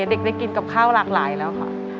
เด็กได้กินกับข้าวหลากหลายแล้วค่ะ